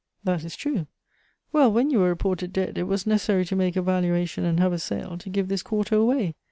"That is true." "Well, when you were reported dead, it was necessary to make a valuation, and have a sale, to give this quarter away.